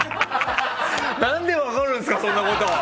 何で分かるんですかそんなこと！